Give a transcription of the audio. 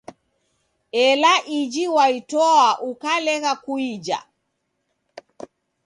Ela iji waitoa, ukalegha kuija.